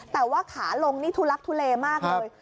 แต่ว่าขาลงนี่ทุลักทุเลมากเลย